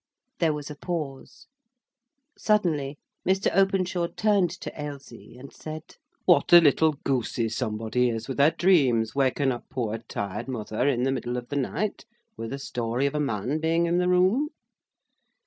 There was a pause. Suddenly Mr. Openshaw turned to Ailsie, and said: "What a little goosy somebody is with her dreams, waking up poor, tired mother in the middle of the night with a story of a man being in the room."